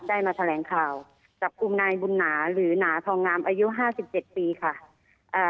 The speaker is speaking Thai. ได้มาแถลงข่าวจับกลุ่มนายบุญหนาหรือหนาทองงามอายุห้าสิบเจ็ดปีค่ะอ่า